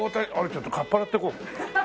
ちょっとかっぱらってこう。